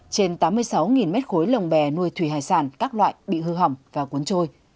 trên tám mươi sáu mét khối lồng bè nuôi thủy hải sản các loại bị hư hỏng và cuốn trôi